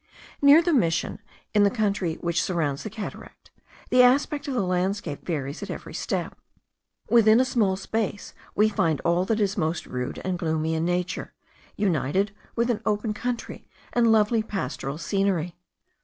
Near the Mission, in the country which surrounds the cataract, the aspect of the landscape varies at every step. Within a small space we find all that is most rude and gloomy in nature, united with an open country and lovely pastoral scenery.